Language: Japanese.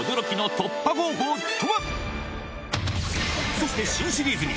そして新シリーズに